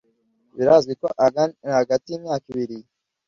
birazwi ko ahagana hagati y imyaka ibiri